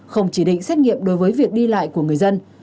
không chỉ định xét nghiệm đối với việc đi lại của người dân